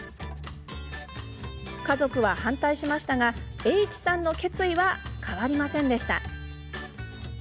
家族は反対しましたがＨさんの決意は変わりませんでした。